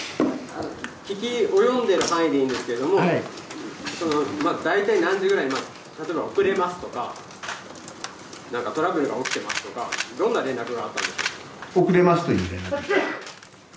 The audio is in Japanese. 聞き及んでいる範囲でいいんですけれども、大体何時ぐらい、例えば、遅れますとか、なんかトラブルが起きてますとか、どんな遅れますという連絡です。